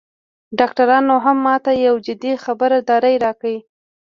ډاکترانو هم ماته یو جدي خبرداری راکړ